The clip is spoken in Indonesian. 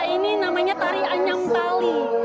ini namanya tari anyam tali